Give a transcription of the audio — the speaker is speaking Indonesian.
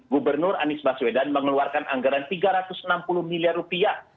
gubernur anies baswedan mengeluarkan anggaran tiga ratus enam puluh miliar rupiah